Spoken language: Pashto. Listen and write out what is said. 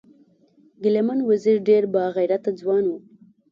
ګلمن وزیر ډیر با غیرته ځوان و